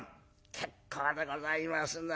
結構でございますな。